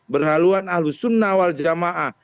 berhaluan ahlus sunnah